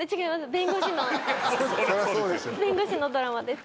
弁護士のドラマです